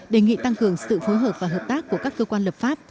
đề nghị tăng cường sự phối hợp và hợp tác của các cơ quan lập pháp